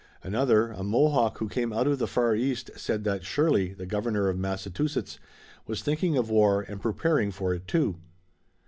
Another, a Mohawk who came out of the far east, said that Shirley, the Governor of Massachusetts, was thinking of war and preparing for it too.